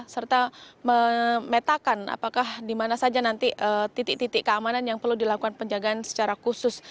serta memetakan apakah di mana saja nanti titik titik keamanan yang perlu dilakukan penjagaan secara khusus